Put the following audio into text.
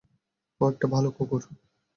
ও একটা ভালো কুকুর।